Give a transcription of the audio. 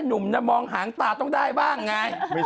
จะซื้อพระซื้อบูชาเขายังไม่ให้เลย